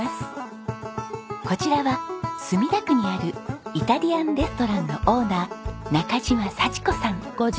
こちらは墨田区にあるイタリアンレストランのオーナー中島幸子さん。